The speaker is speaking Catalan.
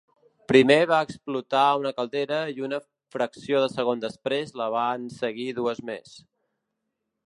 Primer va explotar una caldera i una fracció de segon després la van seguir dues més.